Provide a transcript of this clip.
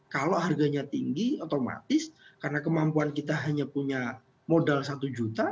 kalau harganya tinggi otomatis karena kemampuan kita hanya punya modal satu juta